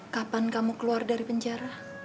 kapan kamu keluar dari penjara